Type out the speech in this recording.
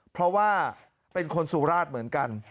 เพราะว่าเป็นคนสุราชเหมือนกัน